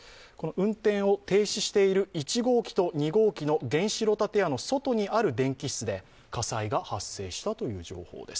運転を停止している１号機と２号機の原子炉建屋の外にある電気室で火災が発生したという情報です。